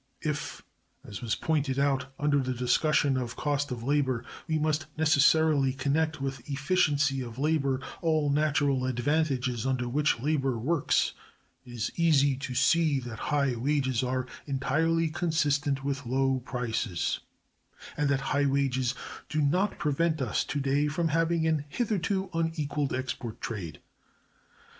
If, as was pointed out under the discussion on cost of labor,(289) we must necessarily connect with efficiency of labor all natural advantages under which labor works, it is easy to see that high wages are entirely consistent with low prices; and that high wages do not prevent us to day from having an hitherto unequaled export trade.